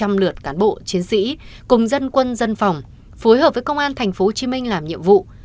trong lượt cán bộ chiến sĩ cùng dân quân dân phòng phối hợp với công an tp hcm làm nhiệm vụ